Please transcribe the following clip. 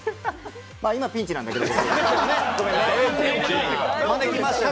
今ピンチなんだけど。